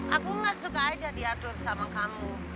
aku gak suka aja diatur sama kamu